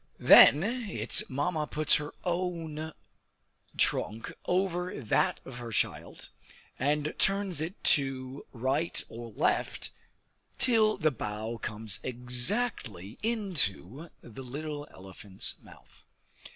Then its Mamma puts her own trunk over that of her child, and turns it to right or left, till the bough comes exactly into the little elephant's mouth.